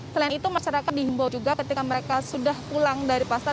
selain itu masyarakat dihimbau juga ketika mereka sudah pulang dari pasar